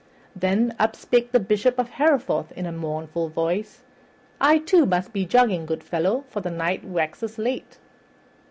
Then up spake the Bishop of Hereford in a mournful voice, "I, too, must be jogging, good fellow, for the night waxes late."